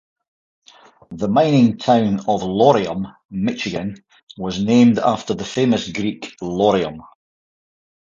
The mining town of Laurium, Michigan was named after the famous Greek Laurium.